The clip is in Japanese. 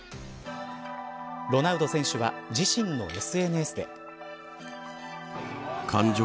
ロナウド選手は自身のＳＮＳで。